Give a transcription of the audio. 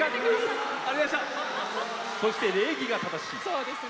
そして、礼儀が正しい。